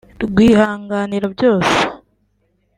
rwihanganira byose